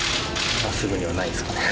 今すぐにはないですかね。